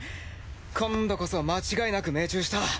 今度こそ間違いなく命中した。